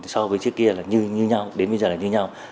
so với trước kia là như nhau đến bây giờ là như nhau